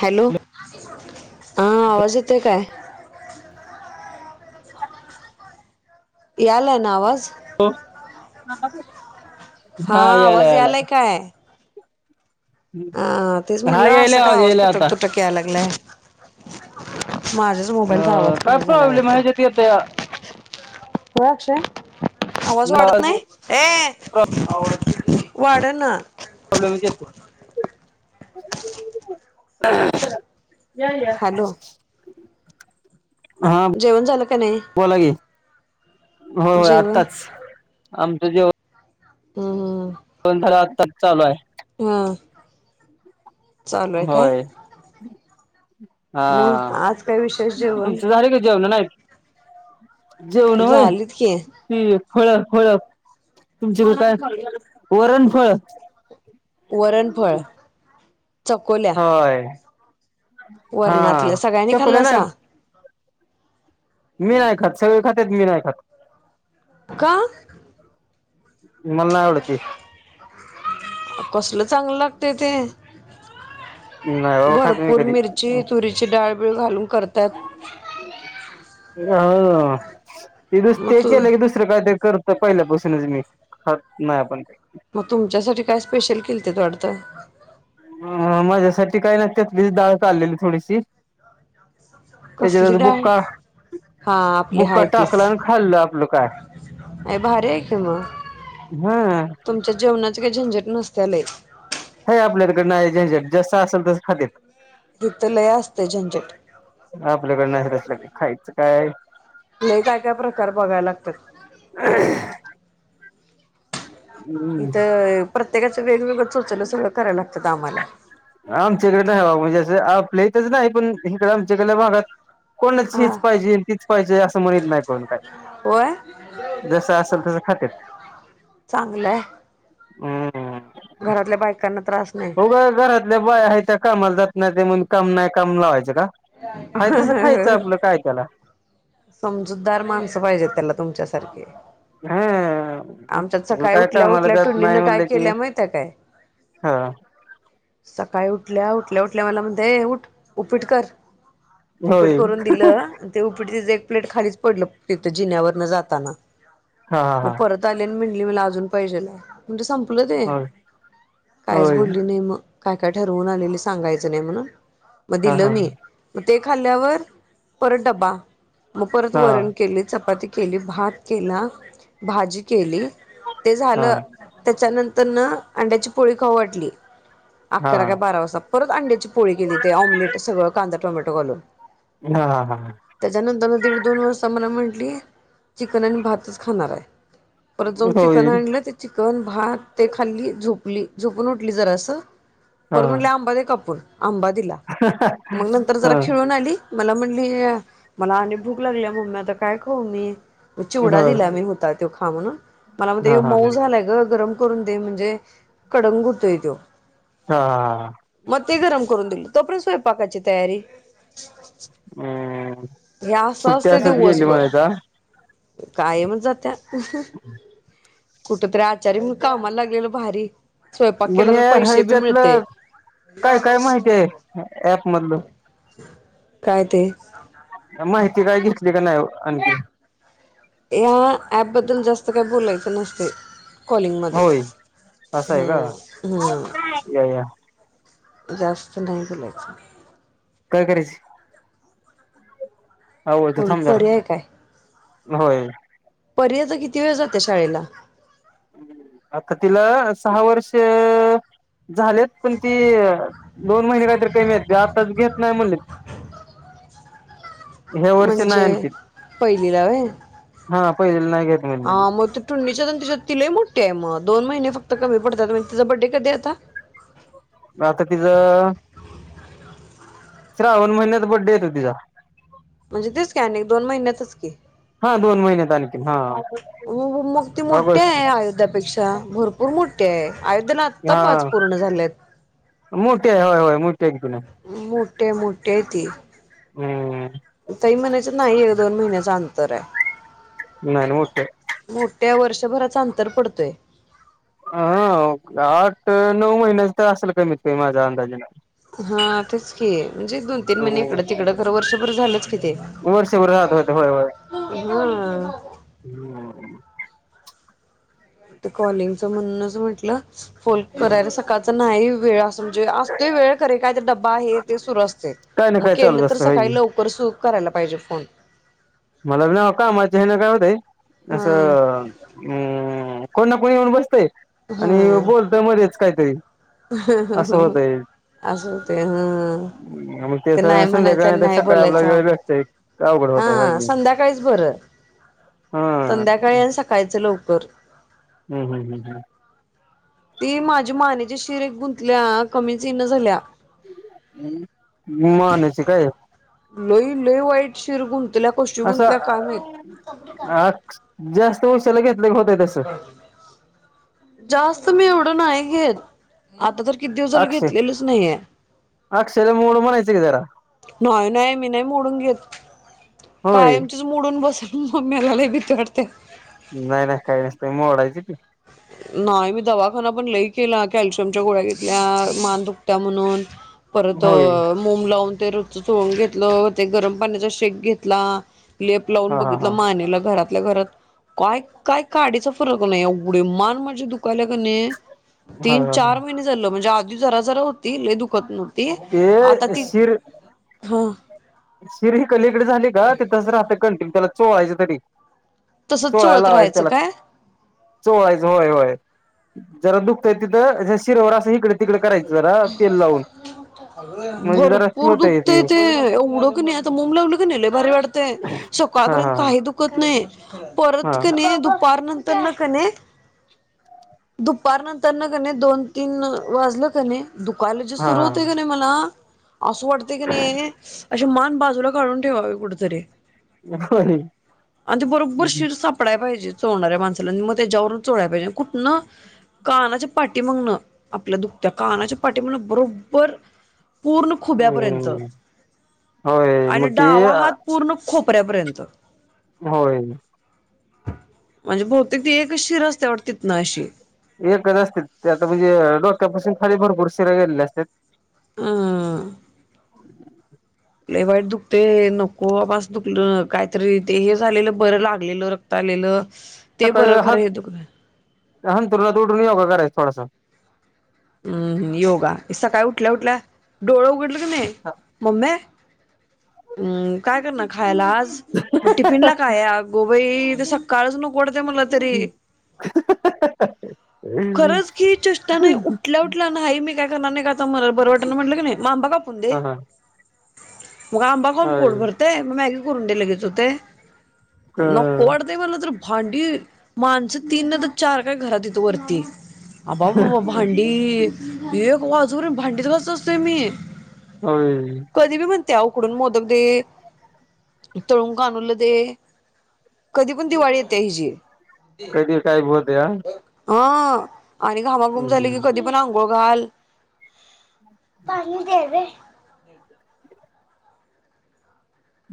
Hello. हा आवाज येतोय काय? [unintelligible] यालाय ना आवाज? हो थांबा की हा याला आवाज याला. यालाय काय हा तेच हा म्हटलं असं यायला का आवाज यायला आता तुटक तुटक यायला लागलंय. माझ्याच अ मोबाईलचा आवाज काय कमी झाला प्रॉब्लेम वाटतय आहे त्यात येत होय अक्षय. आवाज वाढत नाही ये वाढ ना. प्रॉब्लेम विचार [unintelligible] या या. हॅलो जेवण झालं का नाही? बोला की होय होय जेवण आत्ताच आमचं जेवण. हं हं. फोन तर आताच चालू हाय. हा चालू आहे काय? होय हा मग आज काय विशेष जेवण तुमचं झाले का जेवण नाही? जेवलो होय झालीत की ती होळ हळ तुमचे कड काय वरणफुळ. वरणफळ. होय. हा वरणातली सगळ्यांनी चकुल्या खाल्लं नाही सा. मी नाही खात सगळी खातेत मी नाही खात. का? मला नाही आवड ती. कसलं चांगलं लागतंय ते. नाही बाबा खात मी भरपूर कधी मिरची तुरीची डाळबीळ घालून करतायेत. हं ते दुस ते तू केलं की दुसरं काय तर कर पहिल्या पासूनच मी खात नाही आपण. मग तुमच्यासाठी काय स्पेशल केलतेत वाटत. अं माझ्यासाठी काही न त्यातली डाळ काडलेली थोडीशी त्याच्या कसली त्याच डाळ बुका हा आपली बुका टाकला आणि खाल्लं आपलं काय. अं भारी ऐक मग हा तुमच्या जेवणाच काही झंझट नसत्या लय. जस असेल तसं खातेत. हित लय असते झंझट आपल्याकड नाही तसलं काय खायचं काय. काय काय प्रकार बघाय लागतात. हम्म इथं प्रत्येकाचं वेगवेगळं चोचल सगळं करायला लाग आमच्याकड नाही आहे बघा म्हणजे आपल्या इथच नाही पण आमच्या इकडच्या भागात कोणाच हा हिच पाहिजे तीच पाहिजे असं म्हणत नाही कोण काय होय जस असेल तस खातेत. चांगलंय. हम्म घरातल्या बायकांना पण - हो का घरातल्या बाय आहे त्या कामाला जात नाही. ते म्हणून काम नाही काम लावायचं का? हाय तस खायचं आपलं काय त्याला. समजूतदार माणसं पाहिजेत, त्याला तुमच्यासारखे! आमच्यात हा सकाय काय उठल्या कामाला उठल्या टुनींन काय केल्या माहित्याय काय? हं सकाळी उठल्या उठल्या उठल्या मला ये म्हण उठ उपीट कर. उपीट होय करून दिलं ते उपीट तिच एक प्लेट खालीच पडलं तिथं जिन्यावरन जाताना. हा मग हा हा परत आले आणि म्हटली मला अजून पाहिजेला म्हणजे संप. ुलं ते होय कायच होय बोलली नाही मग काय काय ठरवून आलेली सांगायचं नाही म्हणून. मग हा दिल हा मी. मग ते खाल्ल्यावर परत डबा मग परत हा वरण केली चपाती. के भात केला भाजी केली ते हा झालं त्याच्यानंतर. त्यांना अंड्याची पोळी खाऊ वाटली. हा अकरा का बारा वाजता परत अंड्याची पोळी केली ते ऑमलेट सगळं कांदा टोमॅटो घालून. हा हा हा त्याच्यानंतर दीड दोन वार्ष मला म्हण. आपली चिकन आणि भातच खाणार आहे. परत जाऊन चिकन होय आणलं ते चिकन भात ते खाल्ली झोप आपली झोपून उठली जरा असं हा पर म्हटले आंबा दे कापूर आंबा दिला. मग नंतर हा जरा खेळून आली. मला म्हणली मला आणि भूक लागली मम्मी आता काय खाऊ मी. हा चिवडा दिला मी होता तो खा म्हणून मला हा म्हणतो हा मऊ झालाय गरम. करून दे म्हणजे कडंग होतोय तो. हा ह मग ते गरम करून दिल तो पण स्वयपाकाची तयारी. हम्म या सुट्टी सच ते असच गेली दिवसभर. म्हणायचा कायमच जात्या. कुठ तरी आचारी्य मग कामाला लागलेल भारी. स्वयंपाक बरं केला तर हे पैसे बी ह्याच्यातलं मिळते. काय काय माहिती आहे ऍप मधलं. काय ते. माहिती कागतली का ना आण आणखी. या ऍप बद्दल जास्त काय बोलायचं नसते. कॉलिंगमध्ये. होय असं आहे का या या जास्त नाही बोलायचं. काय करेच. कोण थांब जरा परी्हाय काय. होय. परी आता किती वेळ जाते शाळेला आता तिला सहा वर्ष. झालेत पण ती दोन महिने काहीतरी कमी आहेतेत आताच घेत नाही म्हणले. ह्या वर्षी नाही म्हणजे आणखी पहिलीलावे. हा पहिलेला नाही घेत हा म्हणली मग तू टुंडीच्या तिच्यात तिय म. टम दोन महिने फक्त कमी पडता व्हय तिचा बर्थडे कधी आता. आता तिचं श्रावण महिन्यात बर्थडे येतो तिचा. म्हणजे तेच की अनेक दोन महिन्यातच की. हा दोन महिन्यात आणखी हा. हो मग ते मोठे ऑगस्ट आहे अयुध्यापेक्षा भरपूर मोठे आहे. आयुद्याला आत्ता हा पाच पूर्ण झाल्यात. हाय होय मोठी. आहे की नाही मोठे मोठे त हम्म तही मण नाही दोन महिन्याचा अंतर आहे नाही मोठे मोठ्या वर्षभरात अंतर पडतोय हा आठ नऊ महिन्याच तर असेल कमीत कमी माझ्या अंदाजेने हा तेच क म्हणजे दोन तीन महिने इकडं तिकडं खरं वर्षभर झालंच की ते वर्षभर राहत होते होय होय हम ते कॉलिंगच म्हणूनच म्हटलं फोन करायला सकाळचा नाही वेळ म्हजे असतो वेळ करे काय डबा आहे ते सुरू असते काय ना मग काय चालूच केलं तर असतं होय की. सकाळी लवकर सुख करायला पाहिजे फोन. मला ना आता माज्याने ना काय होतेय हा असं अं कोण ना कोणी येऊन बसतंय आणि बोलतंय मध्येच काहीतरी. असं हं-हं-हं होतंय असं होतंय हम्म मग ते नाही त्याच म्हणायचं संध्याकाळी आणि नाहीतर नाही सकाळी आपला बोलायचं वेळ भेटतोय अवघड अवगड होतंय होय की नाही? संध्याका काहीच बरं हा संध्याकाळी आणि सकाळचं लवकर. हम्म - हम्म - हम्म- हम्म ती माझी मानेची शिर एक गुंतल्या कमीच येईना झाल्या. मानेची काय? लई- लई वाईट शिर गुंतल्या, कशी असं गुंतल्या काय माहित? तो सोलोगेल जास्त मी एवढं नाही घेत. आता तर किती दिवस झालं अक्षय- घेतलेलंच नाहीये. अक्षयला मोड म्हणायच की जरा. नाही - नाही मी नाही मोडून घेत होय कायमचीच मोडून बसेल मम्मीला रडते. नाही - नाही काही नसतय मोडायच की [inaudible] नाही मी दवाखाना पण लई केला कॅल्शियमच्या गोळ्या घेतल्या मान दुखत्या म्हणून. परत होय मोम लावून ते रोजच चोळून घेतलं, ते गरम पाण्याचा शेक घेतला. लेप लावून हा हा बघितलं हा मानेला घरातल्या घरात काय- काय काडीचा फरक नाही अवो एवढी मान माझी दुखाल्या कीनई तीन हा हा चार महिने झालं म्हणजे आग जरा जरा होती लई दुखत न्ह ए शीर हा शिर हिकडली ईकडे झाली का ते तिसंच राहतय त्याला चोळायचं तढी. तसच चोळायला चोळत लावायच राहायचं त्याला, काय चोळायच होय- होय. जरा दुखतय तिथं ह्या शिरवर असं हिकडं तिकडं करायचं जरा तेल लावून. म्हणजे जरा भरपूर ठेवता येते दुखतय ते एवढं की नाही आता मोम लावलं की नाही लय भारी वाटतेय. हा सकाळपर्यंत हा काही दुखत नाही हा परत की नाही दुप पार नंतर न कनै, दुपार नंतर न कनै दोन तीन अं वाजलं का नाही दुखायला जे हा सुरू होतय की हा नाही मला, असं वाटतय कीनै अशी मान बाजूला काढून ठेवावी कुठेतरी. होय आणि ते बरोब्बर हम्म शिर सापडाया पाहिजे. चोळणाऱ्या माणसाला मग त्याच्यावरून चोळायला पाहिजे कुठनं? कानाच्या पाटी मागनं. आपल्या दुखत्या कानाच्या पाठी मला बरोब्बर पूर्ण खुब्यापर्यंत, होय आणि मग ते डावा हात पूर्ण खोप पऱ्यापर्यंत होय. म्हणजे बहुतेक ती एकच शिर अस्ते वाट तिथनं अशी. एकच असते ते आता म्हणजे अ डोक्यापासून खाली भरपूर शिरा गेलेल्या असत्यात. हम्म लई वाईट दुखते नको बाबा आस दुखणं कायतरी ते हे झालेलं बरं लागलेलं, रक्त आलेलं. ते सकाळी बरं खरं हत हे दुखलं हंत्रूणात उठुन योगा करायच थोडासा. हम्म- हम्म योगा सकाळी उठल्या- उठल्या डोळ उघडलं की नाही, हा मम्मी हम्म काय करणार खायला? आ पण टिफिन ला काय? आगोबाई ते सकाळचं नको वाटतं मला तरी. [unintelligible] खरच की चष्टा नाही उठल्या - उठल्या नाही मी काय करणार नाही का आता मला बरं वाटाना म्हटलं की नाही म आंबा काप पुंदे हा मग आंबा खाऊन होय पोट भरतंय मग मॅगी करून दे लगेच होते. नको वाटतंय मला तर भांडी माणसं तीन ना तर चार काय घराततेत वरती अबा-बा-बा भांडी एक वाजूवर भांडीच घासत असतोय मी होय त्या उकडून मोदक दे तळुन काणुलं दे कधी पण दिवाळी येते हिची कधी काय बोलत्या हा आणि घामाघूम झाले की कधी पण आंघोळ घाल पाणी देवे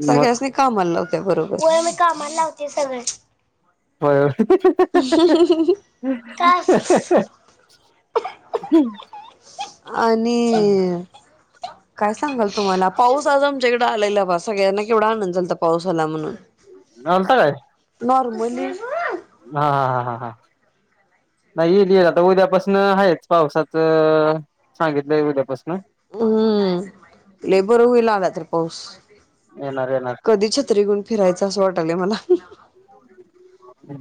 सगळ्यासनी कामाला लावत्या बरोबर होय मी कामाला लावतोय सगळ्यास्नी होय का हम् आणि काय सांगाल तुम्हाला पाऊस आज आमच्याकडें आलेला बा सगळ्यांना केवढा आनंद झालता पाऊसाला आला म्हणून आलता काय नॉर्मली हा हा हा हा हा नाही येईल आता उद्यापासून आहेच पावसाचं सांगितलंय उद्यापासून हम्म लई बर होईल आला तर पाऊस येणार येणार कधी छत्री घेऊन फिरायचं असं वाटलंय मला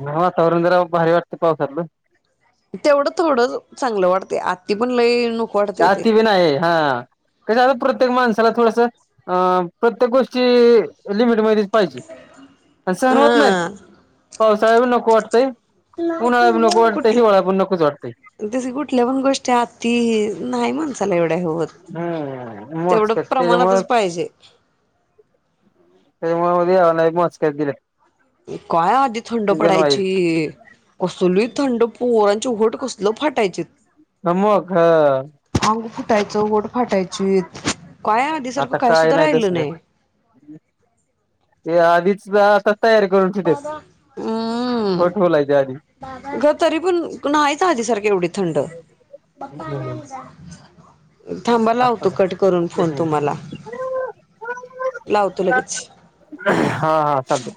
ह वातावरण जरा भारी वाटता पाऊसातलं तेवढं थोडंच चांगलं वाटते आती पण लई न आती बी नाही हा कस आस प्रत्येक माणसाला थोडस अ प्रत्येक गोष्टी लिमिट मधी पाहिजे सहन होत नाहीत पावसाळ बी नको वाटतंय उन्हाळा बी नको वाटतंय कुठल हिवाळा पण नकोच वाटतंय तस कुठल्या पण गोष्टी आती नाही माणसाला एवढ्या हे होत हम्म तेवढं मोजकत त्याच्यामुळे प्रमाणातच पाहिजे [inaudible] त्याच्यामुळे मध्ये आणि मोजकेच दिल्यात काय आधी थंड पडायची कसली थंड प पोरांची ओट कसलं फाटायचीत न म का हा फाटायचं ओट फाटायचीत काय आधी सारखं आता काही काय सुद्धा राहिल तसलं नाही ते आधीच आता तयारी करून ठेवतेत दादा हम्म फट होलायच्या आधी ग तरी पण नाहीच आधी सारखी एवढी थंड पप्पा आहे आमचा थांबाला लावतो आताच कट करून फोन एक मिनिट तुम्हाला लावतो लगेच हा हा चालतय